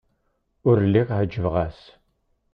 Ur lliɣ ɛejbeɣ-as.